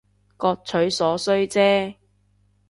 各取所需姐